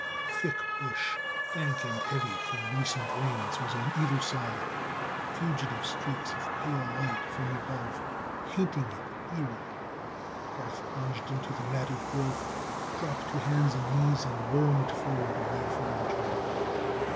Thick bush, dank and heavy from recent rains, was on either side, fugitive streaks of pale light from above painting it eerily. Garth plunged into the matted growth, dropped to hands and knees and wormed forward away from the trail.